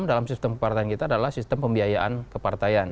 dalam sistem kepartaian kita adalah sistem pembiayaan kepartaian